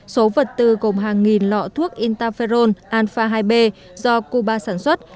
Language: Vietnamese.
số vật tư gồm hàng nghìn lọ thuốc intaferon alpha hai b do cuba sản xuất